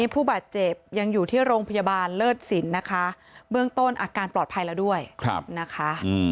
ผู้บาดเจ็บยังอยู่ที่โรงพยาบาลเลิศสินนะคะเบื้องต้นอาการปลอดภัยแล้วด้วยนะคะ